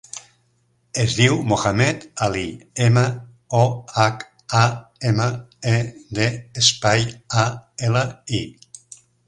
Es diu Mohamed ali: ema, o, hac, a, ema, e, de, espai, a, ela, i.